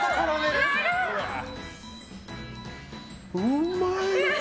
うまい。